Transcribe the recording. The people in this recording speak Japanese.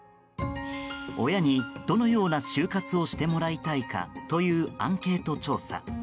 親に、どのような終活をしてもらいたいかというアンケート調査。